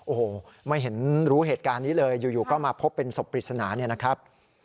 โอ้โหไม่เห็นรู้เหตุการณ์นี้เลยอยู่ก็มาพบเป็นศพปริศนาเนี่ยนะครับ